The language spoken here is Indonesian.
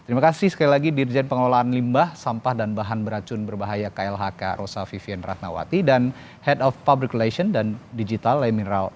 terima kasih sekali lagi dirjen pengelolaan limbah sampah dan bahan beracun berbahaya klhk rosa vivian ratnawati dan head of publiclation dan digital le mineral